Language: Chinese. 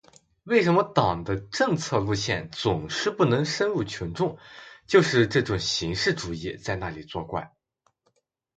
为什么党的策略路线总是不能深入群众，就是这种形式主义在那里作怪。